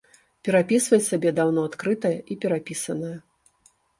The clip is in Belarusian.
Перапісвай сабе даўно адкрытае і перапісанае!